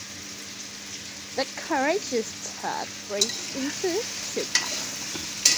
"The Courageous Turk" breaks into two parts.